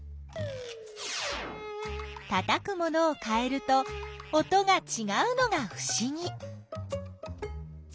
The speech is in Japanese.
たたく物をかえると音がちがうのがふしぎ！